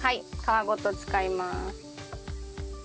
皮ごと使います。